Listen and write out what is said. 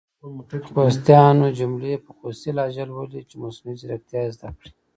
خوستیانو جملي په خوستې لهجه لولۍ چې مصنوعي ځیرکتیا یې زده کړې!